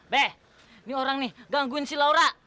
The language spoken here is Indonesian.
beh ini orang nih gangguin si laura